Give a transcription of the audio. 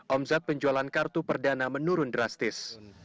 omset penjualan kartu perdana menurun drastis